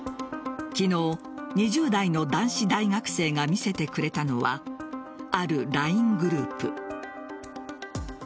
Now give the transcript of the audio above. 昨日、２０代の男子大学生が見せてくれたのはあるＬＩＮＥグループ。